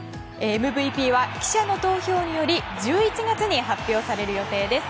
ＭＶＰは記者の投票により１１月に発表される予定です。